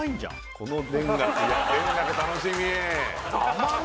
この田楽楽しみ！